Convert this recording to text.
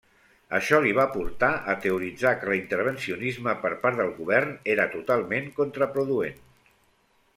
Això li va portar a teoritzar que l'intervencionisme per part del govern era totalment contraproduent.